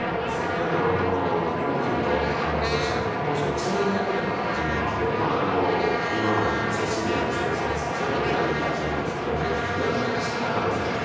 というのは、プリゴジンとロシア国防省のつなぎ役でもあった人物で、今までのシリアの戦争ですとか、そういうのの裏にいた人物なので、なんらかは知ってた可能性はあると。